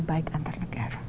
baik antar negara